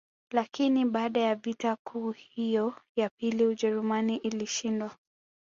Lakini baada ya vita kuu hiyo ya pili Ujerumani ilishindwa